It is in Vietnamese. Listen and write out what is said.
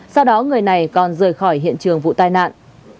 sau đó người này còn rời khỏi hiện trường vụ tai nạn